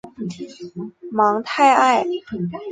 芒泰埃。